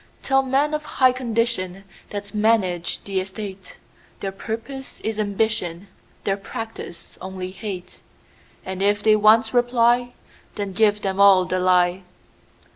Tell men of high condition, That manage the estate, Their purpose is ambition, Their practice only hate:And if they once reply, Then give them all the lie.